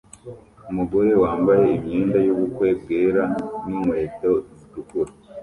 Umugore wambaye imyenda yubukwe bwera ninkweto zitukura